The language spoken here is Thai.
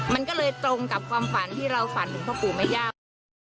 มันก็เลยตรงกับความฝันที่เราฝันถึงพ่อปู่แม่ย่า